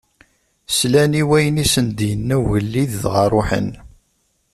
Slan i wayen i sen-d-inna ugellid dɣa ṛuḥen.